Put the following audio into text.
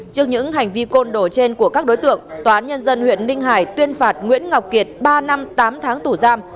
trước những hành vi côn đồ trên của các đối tượng tòa án nhân dân huyện ninh hải tuyên phạt nguyễn ngọc kiệt ba năm tám tháng tù giam